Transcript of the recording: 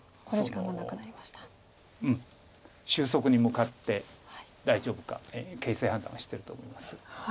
考慮時間がなくなりました収束に向かって大丈夫か形勢判断をしてると思います。